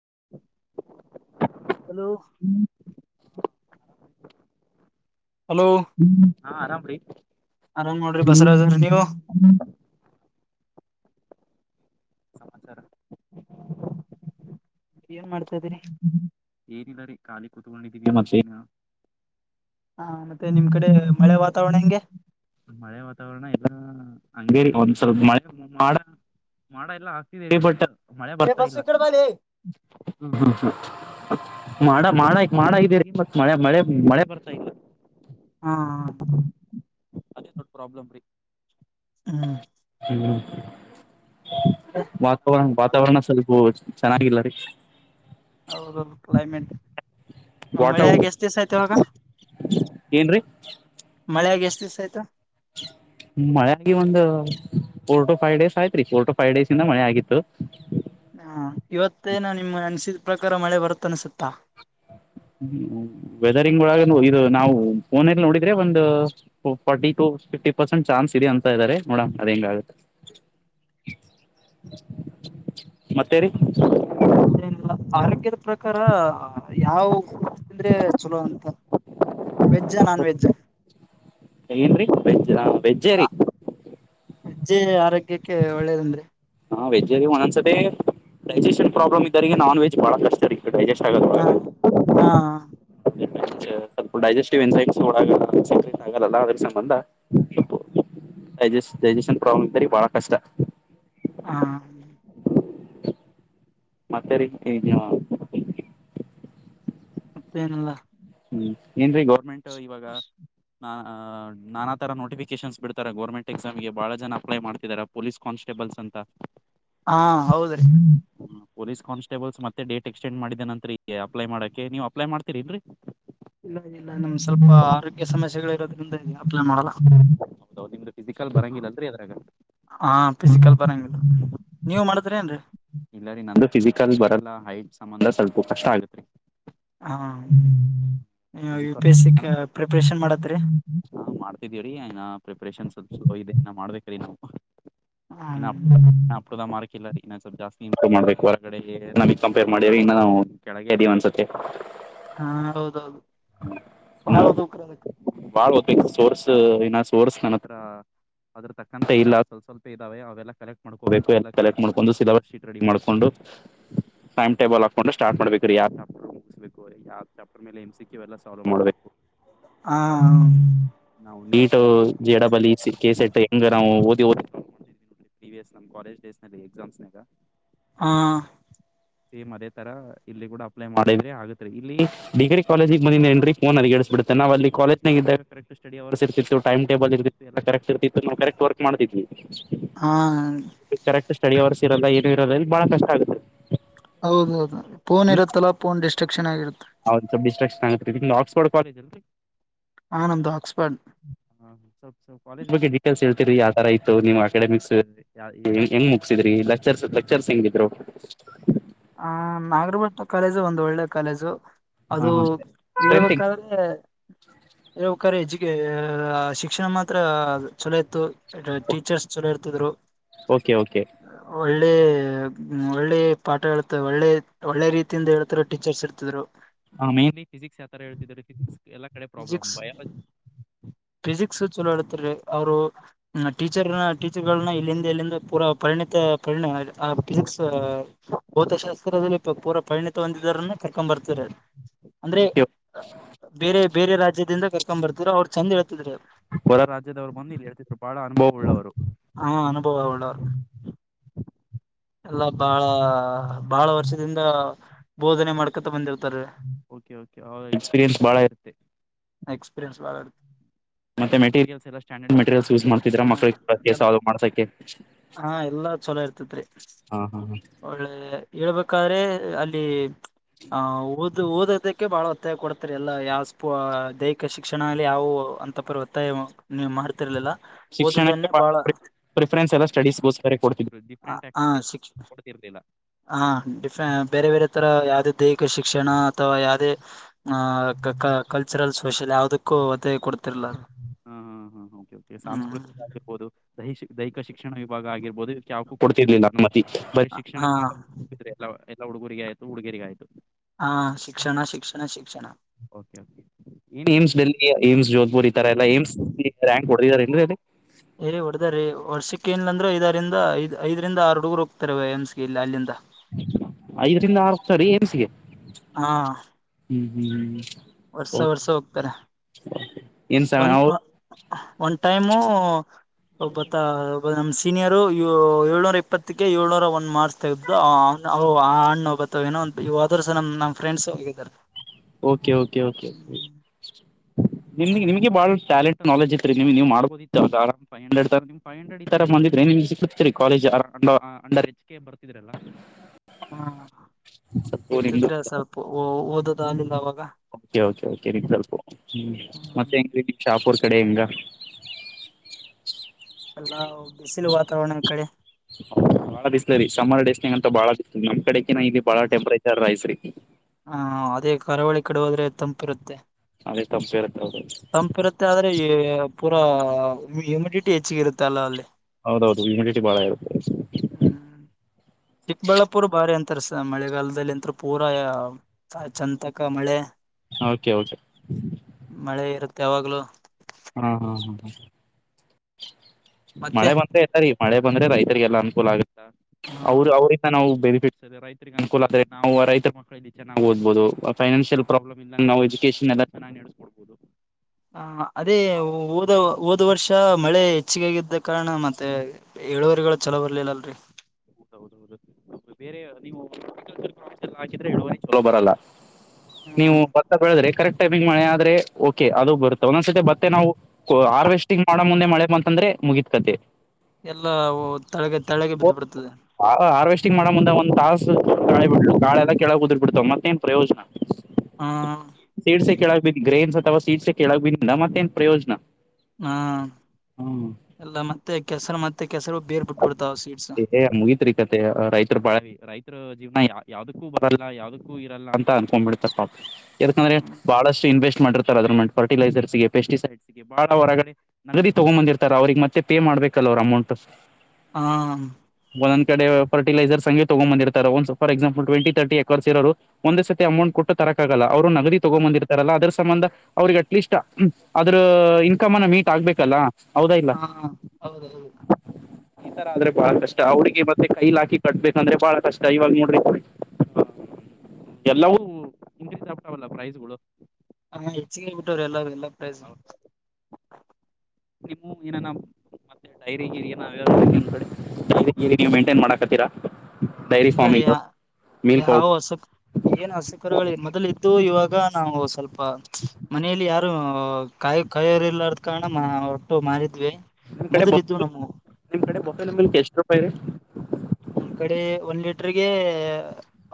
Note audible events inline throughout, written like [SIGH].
[INAUDIBLE] Hello hello ಹಾ ಆರಾಮಿ ಆರಾಮ್ ನೋಡ್ರಿ ಬಸವರಾಜ್ ಅವ್ರಿ ನೀವು ಸಮಾಚಾರ ಏನ್ ಮಾಡ್ತಾ್ದರಿ ಕುತಣಿ ಮ ಹಾ ಮತ್ತೆ ನಿಮ್ ಕಡೆ ಮಳೆ ವಾತಾವರಣ ಹೆಂಗೆ ಮಳೆ ವಾತಾವರಣ ಇಲ್ಲ ಅಂಗೇಡಿ ಒಂದ್ ಸ್ವಲ್ಪ ಮೆ ಮಾಡ ಮಾಡ ಎಲ್ಲ ಹಾಕ್ತ ಬಟ್ ಮಳೆ ಏ ಬರ್ತಾ ಬಸ್ಸು ಇಲ್ಲ ಈ ಕಡೆ ಬಾ ಲೇ. ಹ ಮಾಡ ಮಾಡ ಮಾಡ ಇದೀರಿ ಮತ್ ಮಳೆ ಮಳೆ ಮಳೆ ಬರ್ತಾ ಇಲ್ಲ ಹಾ ಅದೇ ದೊಡ್ ಪ್ರಾಬ್ಲಮ ರೀ ಹ್ಮ ಹ್ಮ ವಾತಾವ ವಾತಾವರಣ ಸ್ವಲ್ಪ ಚೆನ್ನಾಗಿಲ್ಲ ರೀ ಹೌದುೌದು ಕ್ಲೈಮೇಟ್ ವಾಟ ಮಳೆಯಾಗಿ ಎಷ್ಟ ದಸ ಆಯ್ತ ಅವಾಗ ಏನ್ರೀ ಮಳೆಯಾಗಿ ಎಷ್ಟ ದಿವಸ ಆಯ್ತ ಮಳಾಗಿ ಒಂದು ಫೋರ್ ಟ ೈ್ ಡೇಸ್ ಆಯ್ತ್ರಿ ಫೋರ್ ಟು ಫೈವ್ ಡೇಸ್ ಇಂದ ಮಳೆ ಆಗಿತ್ತು ಹಾ ಇವತ್ತೇನ ನಿಮ್ ಅನ್ಸಿದ ಪ್ರಕಾರ ಮಳೆ ಬರುತ್ತ ಅನ್ಸುತ್ತಾ ಹ್ಮ ವೆದರಿಂಗ್ ಒಳಗ ಇದು ನಾವು ಫೋನಲ್ಲಿ ನೋಡಿದ್ರೆ ಒಂದು forty to fifty percent chance ಇದೆ ಅಂತ ಇದ್ದಾರೆ ನೋಡ ಅದು ಹೆಂಗಾಗುತ್ತೆ ಮತ್ತೇರಿ ಮತ್ತೇನಿಲ್ಲ ಆರೋಗ್ಯದ ಪ್ರಕಾರ ಯಾವ ತಿಂದ್ರೆ ಚಲೋ ಅಂತ ವೆಜ್ ನಾನ್ ವೆಜ್ ಏನ್ ರೀ ವಜ್ಜ ಹಾ ವೆಜ್ಜೇ ರೀ ಹೆಜ್ಜೆ ಆರೋಗ್ಯಕ್ಕೆ ಒಳ್ಳೇದಂದ್ರೆ ಹಾ ವೆಜ್ ಅಲ್ಲಿ ಒಂದೊಂದ್ಸ ಡೈಜೆಷನ್ ಪ್ರಾಬ್ಲಮ್ ಇದ್ದಾರ ನಾನ್ ವೆಜ್ ಬಹಳ ಕಷ್ಟ ರೀ ಡೈಜೆಸ್ಟ್ ಹಾ ಆಗೋದ್ರೊಳಗ ಹಾ ಸ್ವಲ್ಪ ಡೈಜೆಸ್ಟಿವ್ ಎನ್ಸೈಸ್ ಒಳಾಗಲ್ಲ ಆಗಲ್ಲ ಅದ್ರ ಸಂಬಂಧ ಸ್ವಲ್ ಡೈಜಸ್ ಡೈಜೆಸ್ನ್ ಪ್ರಾಬ್ಲಮ್ ಇದ್ದಾರೆ ಬಹಳ ಕಷ್ಟ ಹಾ ಮತ್ತರಿ ಮತ್ತೇನಲ್ಲ ಹ್ಮ್ ಏನ್ರೀ ಗೌರ್ಮೆಂಟ್ ಇವಾಗ ನಾ ನಾ ತರ ನೋಟಿಫಿಕೇಶನ್ಸ್ ಬಿಡ್ತಾರೆ ಗರ್ಮೆಂಟ್ ಎಕ್ಸಾಮ್ಗೆ ಬಹಳ ಜನ ಅಪ್ಲೈ ಮಾಡ್ತಿದ್ದಾರೆ ಪೊಲೀಸ್ ಕಾನ್ಸ್ಟೇಬಲ್ ಬಲ್ಸಂತ ಹಾ ಹೌದ್ರೀ ಪೊಲೀಸ್ ಕಾನ್ಸ್ಟೇಬಲ್ಸ್ ಮತ್ತೆ ಡೇಟ್ ಎಸ್ [UNINTELLIGIBLE] ಡ್ ಮಾಡ ನಂತತ್ರ ಈ ಅಪ್ಲೈ ಮಾಡಕಕ್ಕೆ ನೀವು ಅಪ್ಲೈ ಮಾಡ್ತೀರಿನ್ರರಿ ಇಲ್ಲ ಇಲ್ಲ ನಿಮ್ ಸ್ವಲ್ಪ ಆರೋಗ್ಯ ಸಮಸ್ಯೆಗಳು ಇರೋದ್ರಿಂದ ಇದೆ ಅಪ್ಲೈ ಮಾಡಲ್ಲ ಿಜಿಕ [UNINTELLIGIBLE] ಬರಂಗಿಲ್ಲನ್ರಿ ಅದ್ರಾಗ ಹಾ ಫಿಸಿಕಲ್ ಬರಂಗಿಲ್ಲ ನೀವ್ ಮಾಡದ್ರಿ ಏನ್ರಿ ಇಲ್ಲ ರೀ ನಂದು ಫಿಸಿಕಲ್ ಬರಲ್ಲ ಹೈಟ್ ಸಂಬಂಧ ಸ್ವಲ್ಪ ಕಷ್ಟ ಆಗತ್ರಿ ಹಾ ಮಾಡತ್ರಿ ಮಾಡ್ತಿದೀವ ರೀ ಪ್ರಿಪರೇಷನ್ ಸ್ಲ್ಲ್ಪ ಇದೆ ಮಾಡ್್ದ ರೀ ಇ ಹ್ಮ ಅಪ್ದ ಮಾರ್ಕ ಇಿಲ್ಲ ರೀ ಸ್ವಲ್ಪ ಜಾಸ್ತಿ ಇಂಪ್ರೂವ್ ಮಾಡಬೇಕು ಹೊರಗಡೆ ನಮಗ್ ಕಂಪೇರ್ ಮಾಡಿ್ರ ಇನ್ನು ನಾವು ಕೆಳಗೆ ಇದೀವಿ ಅನ್ಸತ್ತೆ ಹಾ ಹೌದೌದು ಇನ್ನ ಬಾಳದು ಉಕರ ಅದಕ್ಕೆ ಬಾಳ್ ಹದ್ಬೇಕ ಸೋರ್ಸ್ ಏನ ಸೋರ್ಸ್ ನನ್ನ ಹತ್ರ ಅದ್ರ ತಕ್ಕಂತ ಇಲ್ಲ ಸ್ವಲ್ ಸ್ವಲ್ಪ ಇದಾವೆ ಅವೆಲ್ಲ ಕಲೆಕ್ಟ್ ಮಾಡ್ಕೋಬೇಕು ಎಲ್ಲ ಕಲೆಕ್ಟ್ ಮಾಡ್ಕ ಒಂದು ಸಿಲಬಸ್ ಶೀಟ್ ರೆಡಿ ಮಾಡ್ಕೊಂಡು ಟೈಮ್ ಟೇಬಲ್ಾಕೊಂಡು ಸ್ಟ್ಬೇಕುೀ ಯಾವ್ ಚಪ್ಟರ್ ಮುಗ್ಬೇಕು ಯಾವ್ ಚಾಪರ್ೇಲೆ ಸಿಕ್ಲ್ಲ ಸಲ್ವ ಮಾಡಬೇಕು ಹಾ ನಾ ಲಟೋ ಜಡಬಲಿ ಕೇಸೆಟ್ ಹೆಂಗ ನಾವು ಪ್ರೀಿಯಸ್ ನಮ್ಮ ಕಾಲೇಜ್ ಡೇಸ್ ನಲ್ಲಿ ಎಕ್ಸಾಮಸ್ ನ [UNINTELLIGIBLE] ಹಾ ಸೇಮ್ ಅದೇ ತರ ಇಲ್ಲಿ ಕೂಡ ಅಪ್ಲೈ ಮಾಡಿದ್ರೆ ಆಗತ್ರಿ ಇಲ್ಲಿ ಡಿಗ್ರಿ ಕಾಲೇಜಿಗೆ ಬಂದ ಏನ್ರಿ ಫೋನ್ ಅಲ್ಲಿ ಬಿಡುತ್ತ ನವು ಅಲ್ಲಿ ಕಾಲಜ್ನ ಇದ್ದ ಕರೆಟ್ ಸ್ಟಡಿ ಅವರ್ ಇರ್ತಿತ್ತು ಟಮ ಟಬಲ್ ಇರ್ತಿತ್ತು ಎಲ್ಲ ಕರೆಕ್ ಇರ್ತಿತ್ತು ನಾ ಕರೆಕ್ಟ್ ವರ್ ಮಾಡಿದ್ವಿ ಹ ಸ್ಟಡಿ ಅವರ್ಸ್ ಇರಲ್ಲ ಏನು ಇರಲ್ಲ ಇಲ್ಲಿ ಬಹಳ ಕಷ್ಟ ಆಗುತ್ತೆ ಹೌದೌದು ಫೋನ್ ಇರುತ್ತಲ್ಲ ಫೋನ್ ಡಿಸ್ಟ್ರಾಕ್ಷನ್ ಆಗಿರುತ್ತೆ ಹ್ ಬಿಸ್ರಾಕ್ಷನ್ತ್ ನಿ ಆಕ್ಸ್ಫರ್ಡ್ ಕಾಲೇಜ ಅಲ್ರಿ ಆನಂದ ಆಕ್ಸ್ಫರ್ಡ್ ಕಾಲಜ್ ಬಗ್ ಡಿಟೇಲ್ಸ್ೇಳ್ತಿರಿಾವ ತರ ನೀವ್ ಅಕಾಡೆಮಿಕ್ಸ್ ಹೆಂಗ್ ಮುಗಸಿದ್ರಿ ಲೆಕ್ಚರ್ಸ್ ಲೆಕ್ಚರ್ಸ್ ಹೆಂಗಿದ್ರು ಆ ನಾಗರಭಟ್ಟ ಕಾಲೇಜು ಒಂದು ಒಳ್ಳೆ ಕಾಲೇಜು ಹಾ ಅದು ಹಾ ಸ್ಟ್ರೆಂತ್ ಹಬೇಕಾದ್ರೆ ಒಖಾರೆ ಎಜುಕ ಶಿಕ್ಷಣ ಮಾತ್ರ ಚಲೋ ಇತ್ತು ಟೀಚರ್ಸ್ ಚನ ಇರ್ತಿದ್ರು ಓಕೆ ಓಕೆ ಒಳ್ಳೆ ಒಳ್ಳೆ ಪಾಠ ಹೇಳ್ತ ಒಳ್ಳೆ ಒಳ್ಳೆ ರೀತಿಯಿಂದ ಹೇಳ್ತಾರ ಟೀಚರ್ಸ್ ಇರ್ತದ್ರು ಹಾ ಮೇನ್ಲಿ ಫಿಸಿಕ್ಸ್ ಯಾವ ತರ ಹೇಳ್ತಿದಿದ್ದಾರೆ ಫಿಸಿಕ್ಸ್ ಎಲ್ಲಾ ಕಡೆ ಪ್ರಾಬ್ಲಮ್ ಬಯಾಲಜಿ ಫಿಸಿಿಕ್ಸ್ ಚಲೋ ಆಳ್ತೀ ಅವರು ಮತ್ ಟೀಚರ್ನ ಟೀಚರ್ಗಳನ್ನ ಇಲ್ಲಿಂದ ಎಲ್ಲಿಂದ ಪೂರ ಪರಿಣಿತ ಪರಿಣ ಫಿಸಿಕ್ಸ್. ಶಾಸ್ಕತ್ರದಲ್ಲಿ ಪೂರ ಪರಿಣಿತ ಹೊಂದಿದರನ್ನ ಕರ್ಕೊಂಡ್ ಬರ್ತೀರ. ಅಂದ್ರೆ ಓಕೆ ಬೇರೆ ಬೇರೆ ರಾಜ್ಯದಿಂದ ಕರ್ಕೊ್ ಬರ್ತರೋ ಅವ್ರು ಚೆಂದ ಹೇಳ್ತಿದ್ರೆ. ಹೊರ ರಾಜ್ಯದವ್ ಬಂದ ಇಲ್ಲಿ ಹೇಳ್ತಿ ಬಾಳಾ ಅನುಭವಳ್ಳವರು. ಆ ಅನುಭವ ಎಲ್ಲ ಬಾಳ ಬಹಳ ವರ್ಷದಿಂದ ಬೋಧನೆ ಮಾಡ್ಕೊತಾ ಬಂದಿರುತ್ ಓಕೆ ಓಕೆ ಅವಾಗ ಎಕ್ಸ್ಪೀರಿಯೆನ್ಸ್ ಬಾಳ ಇರುತ್ತೆ. ಎಕ್ಸ್ಪೀರಿಯನ್ಸ್ಳ. ಮತ್ತೆ ಮೆಟೀರಿಯಲ್ಸ್ ಎಲ್ಲ ಸ್ಟ್ಯಾಂಡರ್ಡ್ ಮೆಟೀರಿಯಲ್ಸ್ ಯೂಸ್ ಮಾಡ್ತಿದ್ರ ಮಕ್ಳಿಗೆ ಕೂಡ ಎ ಕೆಲಸ ಅದು ಮಾಡ್ಸಕ್ಕೆ. ಹಾ ಎಲ್ಲಾ ಚಲೋ ಇರ್ತೇತ್ರಿ. ಹಾ ಹಾ ಒಳ್ಳೆ ಹೇಳ್ಬೇಕಾದ್ರೆ ಅಲ್ಲಿ ಆ ಊದ ಇದು ಓದೋದಕ್ಕೆ ಬಹಳ ಒತ್ತಾಯ ಕೊಡ್ತಾರೆ ಎಲ್ಲ ಯಾವ ಸ್ಪ ದೈಹಿಕ ಶಿಕ್ಷಣದಲ್ಲಿ ಯಾವವು ಅಂತಪರ ಒತ್ತಾಯ ವನ್ನು ಮಾಡ್ತಿರ್ಲಿಲ್ಲ. ಶಿಕ್ಷಣಕ್ಕೆ ಓದೋದನ್ನೇ ಬಹಳ ಪ್ರಿಫರೆನ್ಸ್ ಎಲ್ಲ ಸ್ಟಡೀಸ್ಗೋಸ್ಕರ ಕೊಡ್ತಿದ್ರು ಡಿಫರೆಂಟ್ ಆಗಿ. ಹಾ ಸಿ ಹ ಬೇರೆ ಬೇರೆ ತರ ಯಾವ್ದ ದೈಹಿಕ ಶಿಕ್ಷಣ ಅಥವಾ ಯಾವುದೇ ಕಲ್ಚರಲ್ ಸೋಷಿಯಲ್ ಯಾವುದ ಕು ಒತ್ತಾಯ ಕೋಡ್ ಹಾ ಹಾ ಹಾ ಹ್ಮ್ ಸಾಂಸ್ಕೃತಿಕ ಆಗಿರ್ಬೋದು ದಹಿಕ ಶಿಕ. ದೈಹಿಕ ಶಿಕ್ಷಣ ವಿಭಾಗ ಆಗಿರ್ಬೋದು ಯಾವ್ದಕ್ಕೂ ಕೊಡ್ತಿರ್ಲಿಲ್ಲ ನ. ಬರಿ ಹಾ ಶಿಕ್ಷಣಕ್ಕೆ ಮಾತ್ರಿದ್ರ ಎಲ್ಲ ಎಲ್ಲ ಹುಡುಗರಿಗೆ ಆಯ್ತು ಹುಡುಗರಿಗೆ ಆಯ್ತು. ಹಾ ಶಿಕ್ಷಣ ಶಿಕ್ಷಣ ಶಿಕ್ಷಣ. [UNINTELLIGIBLE] ಎಲ್ಲ ಹ್ಮ್ ಏಮ್ಸ್ ರ್ಯಾಂಕ್ ಹೊಡದಿದ್ದಾರೆಂದ ಅಲ್ಲಿ. ವರ್ಷಕ್ಕ ಏನಿಲ್ಲ ಅಂದ್ರೆ ಐದರಿಂದ ಐದು ಐದರಿಂದ ಆರು ಹುಡುಗೋರ ಹೋಗ್ತಾರ ಎಮ್ಸ್ಗೆ ಇಲ್ಲಿ ಅಲ್ಲಿಂದ. ಐದರಿಂದ ಆರ ಹೋಗ್ತಾರಿ ಸರಿ ಎನ್ಸಿಗೆ ಹಾ ಹ್ಮ್ ಹ್ಮ್ ಹ್ಮ್. ವರ್ಷ ವರ್ಷ ಹೊಗ್ತಾರ. ಏನ್ ಸ ಒನ್ ಒನ್ ಟೈಮು ಒಬ್ಬತ್ತ. ನಮ್ ಸೀನಿಯರು ಏಳ್ನೂರ ಇಪ್ಪತ್ತಕ್ಕೆ ಏಳ್ನೂರ ಒಂದ್ ಮಾರ್ಸ್ ತಗೆದಿದ್ದ ಆ ಅಣ್ಣ. ಏನೋ ಇ ಆದ್ೂ ಸಹ ನಮ್ಮ ಫ್ರೆಂಡ್ಸ್ ಹೋಗಾರೆ. Okay okay okay. ನಿಮ್ ನಿಮಗೆಾಳ ಟಾಲಂಟ್ ನೆಜ್ ಇತ್ರಿ ನಿಮ ನೀವು್ಬೋದತ್ತು ಅರಂಡ್ ೈವ್ ಹಂಡ್ರಡ್ ತರ ನಿಮ್ಫೈವ ಹಂಡ್ರೆಡ್ ತರ. [INAUDIBLE] ಹ್ಮ್ ಸ್ವಲ್ಪ ನಿಮ್ದು ಸಿಗ್ತಿದ್ರೆ ಸ್ವಲ್ಪ ಓದೋದ ಆಲಿಲ್ಲ ಅವಾಗ. [UNINTELLIGIBLE] ಕಡೆ ಹ್ಮ್ ಹೆಂಗ. ತಾವ ನಮ್ಮ ಕಡೆ. ಬಾಳ ಬಿಸ್ಲ ರಿ ಸಮ್ಮರ್ ಡೇಸ್ನ ಅಂತ ಬಾಳ ಬಿಸ್ಲ ನಮ್ಮ ಕಡೆಕಿ ಇಲ್ಲಿ ಬಾಳ ಟಂಪ್ರೇಚರ್ ರೈಸ್ ರಿ. ಹಾ ಅದೇ ಕರಾವಳಿ ಕಡ ಹೋದ್ರೆ ತಂಪಿರುತ್ತೆ. [UNINTELLIGIBLE] ತಂಪಿರುತ್ತೆ ಆದ್ರೆ ಪೂರಾ ಹ್ಯುಮಿಡಿಟಿ ಹೆಚ್ಚಗಿರುತ್ತೆ ಅಲ್ಲ ಅಲ್ಲಿ. ಹೌದೌದು ಇಮಿಡಿಟಿ ಬಾಳ ಇರುತ್ತೆ. ಹ್ಮ್ ಚಿಕ್ಕಬಳ್ಳಾಪುರ ಬಾರಿ ಅಂತಾರಸ ಮಳೆಗಾಲದಲ್ಲಿ ಅಂತ ಪೂರಾ ಚಂತಕ ಮಳೆ. Okay okay. ಯಾವಾಗಲೂ. ಹಾ ಹಾ ಹಾ ಹ ಮತ್ತೆ ಮಳೆ ಬಂದ್ರೆ ತರಿ ಮಳೆ. ಬಂದ್ರೆ ರೈತರಿಗೆಲ್ಲ ಅನುಕೂಲ ಆಗುತ್ತೆ ಹ ಅವರು ಅವ್ರಂದ ನಾವು ಬೆನಿಫಿಟ್ ಸರಿ ರೈತರಿಗೆ ಅಕೂಲ ಆದ್ರ ನಾವು ರೈತರ ಮಳಲ್ಲಿ ಚೆನ್ನಾಗಿ ಹೋದಭವುದು ಫೈನಾನ್ಷಿಯಲ್ ಪ್ರಾಬ್ಲ್ ಇಲ್ಲ ನಾವು ಎಜುಕೇೇಶನ್ [INAUDIBLE] ಹ ಅದೇ ಓದೋ ಹೋದ್ ವರ್ಷ ಮಳೆ ಹೆಚ್ಚಗಾಗಿದ್ದ ಕಾರಣ ಮತ್ತೆ ಏಳುವರಿಗಳು ಚಲೋ ಬರ್ಲಿಲ್ಲ ಅಲ್ರೀ. ಹೌದು ಹೌದು ಬೇರೆ ನೀವು [UNINTELLIGIBLE] ಹಾಕಿದ್ರೆ ಇಳುವರೇ ಚಲೋ ಬರಲ್ಲ ನೀವು ಹ್ಮ್ ಬತ್ತಾ ಬೆಳದ್ರೆ ಕರೆಕ್ಟ್. [UNINTELLIGIBLE] ಮಳೆ ಆದ್ರೆ ಓಕೆ ಅದು ಬರುತ್ತೆ ಒಂದ್ಸತಿ ಮತ್ತೆ ನಾವು ಹಾರ್ವೆಸ್ಟಿಂಗ್ ಮಾಡ್ [UNINTELLIGIBLE] ಮುಂದೆ ಮಳೆ ಬಂತಂದ್ರೆ ಮುಗೀತ್ ಕತೆ. ಎಲ್ಲಾವು ತಳಗೆ ತಳ್ಳಗೆ ಬಿದ್ಬಿಡ್ತು. ಹ ಆರ್ವೆಸ್ಟ್. ಹೆಚ್ಚಿಗಿ ಮಾಡ ಮುಂದ ಒಂದು ತಾಸ ಗಾಳಿ ಬಿಲು ಗಾಳಿದಾಗ ಕೆಳಗ ಉದರಿ ಬಿಡ್ತವ ಮತ್ತೇನ್ ಪ್ರಯೋಜನ. ಹ್ಮ ಸೀಡ್ಸೆ ಕೇಳಕ್ ಬಿದ್ ಗ್ರೇನ್ಸ್ ಅಥವಾ ಸೀಡ್ಸೆ ಕೇಳಕ್ ಬಿಡ್ಡಿಂದ ಮ್ಮತ್ತೇನ್ ಪ್ರಯೋಜನ. ಹಾ ಹ್ಮ್ ಎಲ್ಲ ಮತ್ತೆ ಕೆಸರ ಮತ್ತೆ. ಕೆಸರು ಬೇರ್ ಬಿಟ್ಬಿಡ್ತಾವ ಸೀಡ್ಸ್ ಹೇ ಮುಗತ್ರಿ ಕತೆ ರೈತರು ಬಾಳರೀ ರೈತ್ [UNINTELLIGIBLE] ರು ಜೀವನ ಯ ಯಾವದಕ್ಕೂ ಬರಲ್ಲ ಯಾವ್ದದಕ್ಕೂ ಇರಲ್ಲ ಅಂತ ಅನ್ಕೊಂಡ್ಬಿಡ್ತ ಪಾಪ ಯಾಕಂದ್ರೆ ಹಾ ಬಹಳಷ್ಟು ಇನ್ವೆಸ್ಟ್ ಮಾಡಿರ್ತಾರೆ ಅದ್ರ ಪಾರ್ಟಿ ಲೈಸರ್ಸ್ಗೆ ಪೆಸ್ಟಿಸೈಡ್ಸ್ಗೆ ಬಹಳ ಹೊರಗಡೆ ನಗದಿ ತಗೊಂಡ ಬಂದಿತಾರೆ ಅವರಿಗೆ ಮತ್ತೆ ಪೇ ಮಾಡಿ. ಮಾಡ್ಬೇಕಲ್ಲ ಅವ್ರ ಅಮೌಂಟ್. ಹಾಂ ನಮ್ ಕಡೆ ಫರ್ಟಿಲೈಜರ್ ಅಂಗೆ ತಗೊಂಡ ಬಂದಿರ್ತಾರೆ ಒಂದು ಸಫರ ಎಕ್ಝಾಂಪಲ್ ಟ್ವೆಂಟಿ ತರ್ಟಿ ಎಕ್ಕರ್ಸ್ ಇರೋರು ಒಂದ ಸತಿ ಅಮೌಂಟ್ ಕೊಟ್ಟು. ಆಗಲ್ಲ ಅವರು ನಗದಿ ತಗೊಂಡ ಬಂದಿರ್ತಾರಲ್ಲ ಅದ್ರ ಸಂಬಂಧ ಅವ್ರಿಗೆ ಅಟ್ಲೀಸ್ಟ್ ಅದ್ರ ಇನ್ಕಮ್ ಅನ್ನ ಮೀಟ್ ಆಗ್ಬೇಕಲ್ಲಾ. ಅಹಾ ಹೌದೌದು. ಈ ಆದ್ರೆ ಬಹಳ ಕಷ್ಟ ಅವ್ರಿಗೆ ಮತ್ತೆ ಕೈಲಾಕಿ ಕಟ್ಬೇಕಂದ್ರೆ ಬಹಳ ಕಷ್ಟ ಇವಾಗ ನೋಡ್ರಿ. ಎಲ್ಲವೂ ಇನ್ಕ್ರೀಸ್ ಆಗ್ತಾವಲ್ಲ ಪ್ರೈಜಗಳು. ಹಾ ಹೆಚ್ಚಿಗೆ ಹೇರ್ ಬಿಟ್ಟವ್ರೆ ಎಲ್ಲ ಎಲ್ಲ ಪ್ರೈಸು. ನಿಮ್ಮ ಏನಾನಂ ಡೈರಿ ಗೀರಿಯಾವ [UNINTELLIGIBLE] ಡೈರಿ ಗಿರಿ ನೀವು ಮೈಂಟೈನ್ ಮಾಡಕತ್ತೀರಾ. ಡೈರಿ ಇಲ್ಲ ಫಾರ್ಮಿಂಗ್ ಯ ಮಿಲ್ಕ್ ಯಾವ ಪೌಡ್ ಅಸಕ್ ಏನು ಅಸಕರುಗಳು ಮೊದಲು ಇದ್ [UNINTELLIGIBLE] ವು ಇವಾಗ ನಾವು ಸ್ವಲ್ಪ ಮನೆಯಲ್ಲಿ ಯಾರು. ಹಾ ಕಾಯಿ ಕಾಯೋರ್ ಇಲ್ಲಾದ್ ಕಾರಣ ಒಟ್ಟು ಮಾರಿದ್ವಿ. ನಿಮ್ ಕಡೆ ಬ ಮೊದಲಿದ್ದು ನಮ್ಮ ನಿಮ್ ಕಡೆ ಬಫೆಲೋ ಮಿಲ್ಕ್ ಎಷ್ಟ ರೂಪಾಯ ಇರಿ. ನಮ್ಮ್ ಕಡೆ ಒಂದು ಲೀಟರ್ಗೆ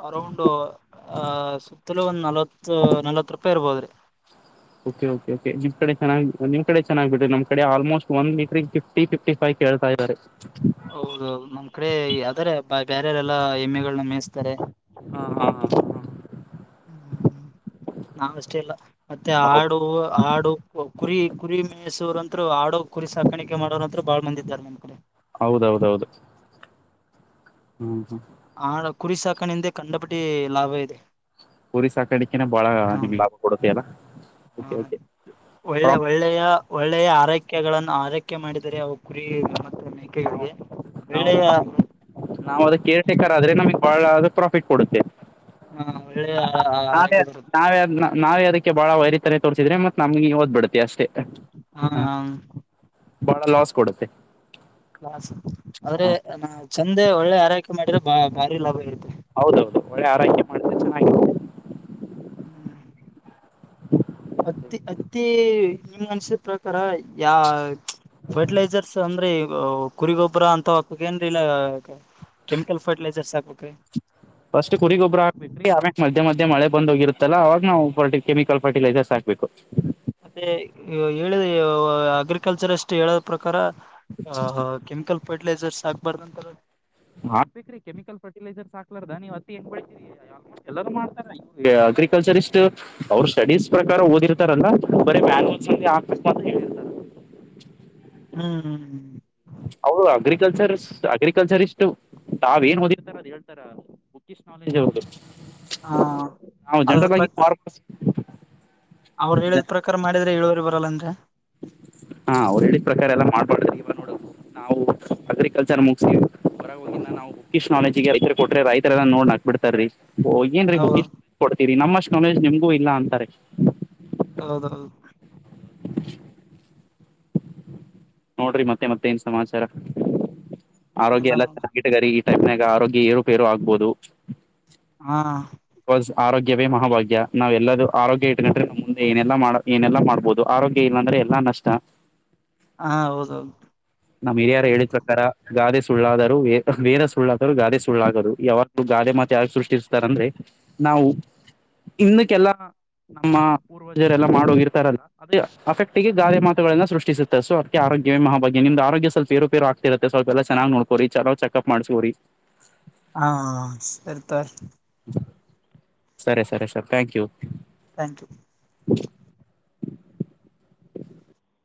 ಅರೌಂಡ್ ಅ ಸುತ್ತಲೂ ಒಂದ್ ನಲ್ವತ್ತು. ತು ನಲ್ವತ್ ರೂಪಾಯಿ ಇರ್ಬೋದ್ರಿ. ಓಕೆ ಓಕೆ ನಿಮ್ಮ ಕಡೆ ಚೆನ್ನಾಗಿ ನಿಮ್ಮ ಕಡೆ ಚೆನ್ನಾಗಿ ಬಿಡ್ರೀ ನಮ್ಮ ಕಡೆ ಆಲ್ ಮೋಸ್ಟ್ ಒನ್ ಮಿಟ್ರಿಗೆ ಫಿಫ್ಟಿ ಫಿಫ್ಟಿ ಫೈವ್. ಕೇಳ್ತಾ ಇದ್ದಾರೆ. ಹೌದೌದು ನಮ್ ಕಡೆ ಅದರ ಪಾ ಬ್ಯಾರೆರೆಲ್ಲ ಹೆಮ್ಮೆಗಳನ್ನ ಮೇಸ್ ಹಾ ಹಾ ಹ ಹಾ ಹ್ಮ್ ನಾವ ಅಷ್ಟೇ ಇಲ್ಲ ಮತ್ತೆ ಹಾ ಹೌದ್ ಆಡು ಆಡು ಕುರಿ ಕುರಿ ಮೈಸೊರು ಅಂತ. [UNINTELLIGIBLE] ತ್ರೋ ಆಡ ಕುರಿ ಸಾಕಾಣಿಕೆ ಮಾಡೋ ಅಂತ್ರು ಬಾಳ ಮಂದಿ ಇದ್ದಾರೆ ನಮ್ಮ ಕಡೆ. ಹೌದೌದೌದು ಹ್ಮ್ ಹ್ಮ್ ಆಡು ಕುರಿ ಸಾಕಣಿಂದೆ ಕಂಡಪಟ್ಟಿ ಲಾಭ ಇದೆ. ಕುರಿ ಸಾಕಾಣಿಕೆನೆ ಬಾಳ ಹಾ ನಿಮ್ ಲಾಭ ಕೊಡತೆ ಅಲ್ಲ. ಹ ಓಕೆ ಓಕೆ ಒಳ್ಳೆ ಪ್ರಾಫಿಟ್ ಒಳ್ಳೆಯ ಒಳ್ಳೆಯ ಆರೈಕೆಗಳನ್ನು ಆರೈಕೆ ಮಾಡಿ [UNINTELLIGIBLE] ದರೆ ಅವು ಕುರಿ ಮತ್ತೆ ಮೇಕೆಗಳಿಗೆ ನಾವು ವೇಳೆಯ ನಾವು ಅದಕ್ ಕೇರ್ ಟೇಕರ್ ಆದ್ರೆ ನಮಗ್ ಬಹಳ ಪ್ರಾಫಿಟ್ ಕೊಡುತ್ತೆ. ಹಾ ಒಳ್ಳೆಯ. ನಾವೇ ಆರೈಕೆ ಬರುತ್ತೆ ನಾವೇ ನಾವೇ ಅದಕ್ಕೆ ಬಾಳ ವೈರಿತನೆ ತೋರ್ರಿಸಿದ್ರೆ ಮತ್ ನಮ್ಗೆ ಓದ್ಬ ಬಿಡತ. ಹ [UNINTELLIGIBLE] ಬಾಳ ಲಾಸ್ ಕೊಡುತ್ತೆ. ಹಾ ಆದ್ರೆ ನ ಚಂದೆ ಒಳ್ಳೆ ಆರೈಕೆ ಮಾಡಿದ್ರೆ ಬಾ ಭಾರಿ ಲಾಭ ಇರತ್ತದೆ. ಹೌದೌದು ಒಳ್ಳೆ ಆರೈಕೆ ಮಾಡಿದ್ರೆ ಚೆನ್ನಾಗಿರುತ್ತೆ. ಹ್ಮ ಅತ್ತಿ ಅ ಪ್ರತಿ ನಿಮ ಅನ್ಸಿದ ಪ್ರಕಾರ ಯಾ ಫರ್ಟಿಲೈಸರ್ಸ್ ಅಂದ್ರೆ ಕುರಿಗೊಬ್ಬರ ಅಂತ ಹಾಕಬೇಕ ಏನ್ರಿ ಇಲ್ಲ ಕೆಮಿಕಲ್ ಫರ್ಟಿಲೈಸರ್ಸ್ ಹಾಕ್ಬೇಕ್ರಿ ಫಸ್ಟ್ ಕುರಿಗೊಬ್ಬರ ಹಾಕ್ಬೇಕ್ರಿ ಆಮ್ಯಕ್ ಮಜ್ ಮಧ್ಯೆ ಮಧ್ಯೆ ಮಳೆ ಬಂದೋಗಿರುತ್ತಲ್ಲ ಅವಾಗ ನಾವು ಫರ್ಟಿ ಕೆಮಿಕಲ್ ಫರ್ಟಿಲೈರ್ಸ್ ಹಾಕ್ಬೇಕು ಮತ್ತೆ ಹೇಳ ಅಗ್ರಿಕಲ್ಚರ್ ಅಷ್ಟು ಹೇಳದ ಪ್ರಕಾರ ಹಾ ಹ ಕೆಮಿಕಲ್ ಫರ್ಟಿಲೈಜರ್ಸ ಹಾಕಬಾರದಂತರಲ್ಲ ಹಾಕಬೇಕ್ರಿ ಕೆಮಿಕಲ್ ಫರ್ಟಿಲೈರ್ಸ್ ಹಾಕ್ಲಾರ್ದ ನೀವ್ ಹತ್ತಿ ಹೆಂಗ್ ಬೇಳಿತಿರ ಆಲ್ಮೋಸ್ಟ್ ಎಲ್ಲಾರ ಮಾಡ್ತಾರ ಅಗ್ರಿಕಲ್ಚರಿಸ್ಟ್ ಅವರು ಸ್ಟಡೀಸ್ ಪ್ರಕಾರ ಓದಿರ್ತಾರಲ್ಲ ಬರೆ ಮಾಲ್ಲಿಂದ ಹೇಳಿರತ್ತಾರಿ ಹ್ಮ್ ಹ್ಮ್ ಅವರು ಅಗ್ರಿಕಲ್ಚರ್ ಅಗ್ರಿಕಲ್ಚರಿಷ್ಟ ತಾವ ಏನ್ ಓದಿತಾರ ಹೇಳ್ತಾರ ಬುಕ್ಕಿಶ ನಾಲೆಜ್ ಅವರದು ಹ ನಾವ ಜನರಲಾಗಿ ಅವರು ಹೇಳಿದ್ ಪ್ರಕಾರ ಮಾಡಿದ್ರೆ ಇಳುವರಿ ಬರಲ್ಲ ಅಂದೆ ಹಾ ಅವ್ರು ಹೇಳಿದ ಪ್ರಕಾರ ಎಲ್ಲ ಮಾಡ್ ಬ್ಯಾಡರಿ ನೀವ ನೋಡ ನಾವು ಅಗ್ರಿಕಲ್ಚರ್ ಮುಗಸಿ ಹೊರಗೊಗಿಂದ ನಾವು ಬುಕ್ಕಿಷ ನಾಲೆಜಗ ರೈತರಿಗ ಕೊಟ್ರೆ ರೈತರೆಲ್ಲ ನೋಡಿ ನಗ ಬಿಡ್ತಾರೀ ಓ ಏನ್ರೀ ಹೌದು ಬುಕ್ಕಿಶ ನಾಲೇಜ್ ಕೊಡ್ತೀರಿ ನಮ್ಮಷ್ಟ್ ನಾಲೆಜ್ ನಿಮ್ಗೂ ಇಲ್ಲ ಅಂತಾರೆ ಹೌದೌದು ನೋಡ್ರಿ ಮತ್ತೆ ಮತ್ತೆ ಏನ್ ಸಮಾಚಾರ ಏನೆಲ್ಲ ಆರೋಗ್ಯ ಎಲ್ಲ ನಾವು ಚೆನ್ನಾಗಿಟ್ಟಗರಿ ಈ ಟೈಮನಾಗ ಆರೋಗ್ಯ ಏರುಪೇರು ಆಗ್ಬೋದು ಹಾ ಬಿಕಾಸ್ ಆರೋಗ್ಯವೇ ಮಹಭಾಗ್ಯ ನಾವಲ್ಲದೂ ಆರೋಗ್ಯ ಇಟ್ಟಕೊಂಡ್ರೆ ನಮ್ಮ ಮುಂದೆ ಏನೆಲ್ಲ ಮಾಡ ಏನೆಲ್ಲ ಮಾಡ್ಬಹುದು ಆರೋಗ್ಯ ಇಲ್ಲಾಂದ್ರೆ ಎಲ್ಲಾ ನಷ್ಟ ಹಾ ಹೌದೌದು ನಮ್ ಹಿರಿಯರ ಹೇಳಿದ ಪ್ರಕಾರ ಗಾದೆ ಸುಳ್ಳಾದರು ವೇದ ಸುಳ್ಳಾದರು ಗಾದೆ ಸುಳ್ಳಾದರು ಯಾವು ಗಾದೆ ಮಾತ ಯಾರು ಸೃಷ್ಟಿಸ್ತಾರೆ ಅಂದ್ರೆ ನಾವು ಇನ್ನಕ್ಕೆಲ್ಲ ನಮ್ಮ ಪೂರ್ವಜರೆಲ್ಲ ಮಾಡ ಹೋಗಿರ್ತಾರಲ್ಲ ಅದ ಅಫೆಕ್ಟ್ ಗೆ ಗಾದೆ ಮಾತುಗಳನ್ನ ಸೃಷ್ಟಿಸುತ್ತೆ ಸೊ ಅದಕ್ಕೆ ಆ ಮಹಾಭಗ್ಯ ನಿಮ್ದ ಆರೋಗ್ಯ ಸಲ್ಪ ಏರುಪೇರು ಆಗ್ತಿರತೇ ಸ್ವಲ್ಪ ಎಲ್ಲ ಚೆನ್ನಾಗ ನೋಡಕೋರಿ ಚಲೋ ಚೆಕ್ಪ್ ಮಾಡಸಕೊರಿ ಹಾ ಸರಿ ತೋರಿ ಸರಿ ಸರಿ sir thank you thank you [INAUDIBLE]